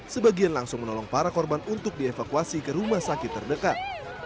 sebagian langsung menolong para korban untuk dievakuasi ke rumah sakit terdekat